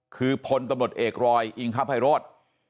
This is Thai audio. คือพลตำรวจเอกรอยอิงคภัยโรธ